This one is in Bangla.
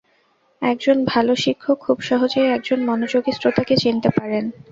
এক জন ভালো শিক্ষক খুব সহজেই একজন মনোযোগী শ্রোতাকে চিনতে পারেন!